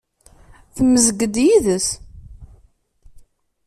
Temmezg-d yid-s.